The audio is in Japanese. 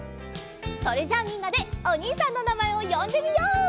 それじゃあみんなでおにいさんのなまえをよんでみよう！